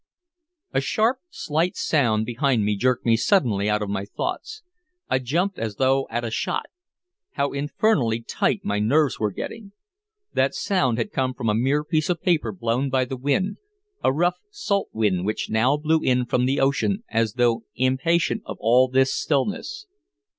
A sharp slight sound behind me jerked me suddenly out of my thoughts. I jumped as though at a shot. How infernally tight my nerves were getting. The sound had come from a mere piece of paper blown by the wind a rough salt wind which now blew in from the ocean as though impatient of all this stillness.